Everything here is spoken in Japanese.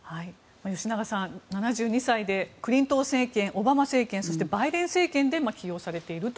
吉永さん、７２歳でクリントン政権、オバマ政権そしてバイデン政権で起用されていると。